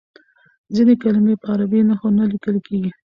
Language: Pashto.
ځینې کلمې په عربي نښو نه لیکل کیږي.